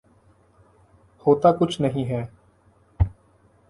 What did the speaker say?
ہوتا کچھ نہیں ہے۔